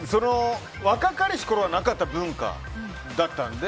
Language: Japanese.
若かりしころはなかった文化だったので。